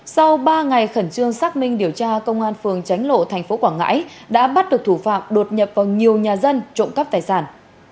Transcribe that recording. sau ba ngày khẩn trương xác minh điều tra công an phường tránh lộ tp quảng ngãi đã bắt được thủ phạm đột nhập vào nhiều nhà dân trộm cắp tài sản